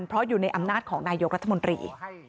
เพราะอยู่ในอำนาจของนายกรัฐมนตรี